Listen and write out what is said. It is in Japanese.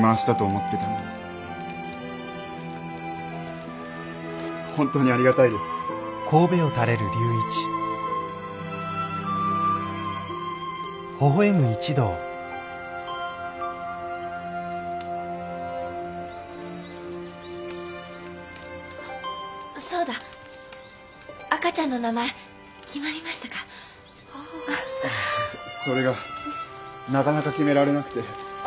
それがなかなか決められなくて。